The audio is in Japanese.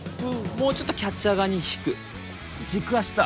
もうちょっとキャッチャー側に引く軸足さ